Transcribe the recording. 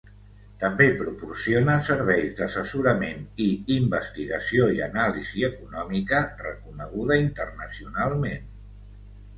També proporciona serveis d'assessorament i, investigació i anàlisi econòmica reconeguda internacionalment.